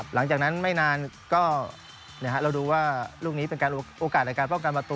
หลังจากนั้นไม่นานก็เราดูว่าลูกนี้เป็นโอกาสในการป้องกันประตู